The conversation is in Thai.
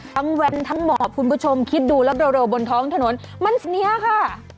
แวนทั้งหมอบคุณผู้ชมคิดดูแล้วเร็วบนท้องถนนมันเนี่ยค่ะ